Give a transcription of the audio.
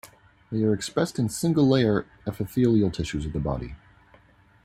They are expressed in single layer epithelial tissues of the body.